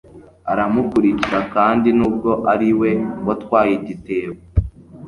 aramukurikira kandi nubwo ari we watwaye igitebo